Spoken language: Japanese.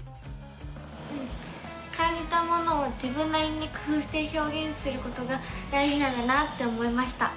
うん感じたものを自分なりに工ふうしてひょうげんすることが大じなんだなって思いました！